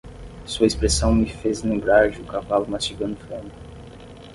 Sua expressão me fez lembrar de um cavalo mastigando feno.